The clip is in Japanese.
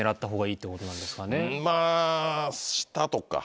まぁ下とか。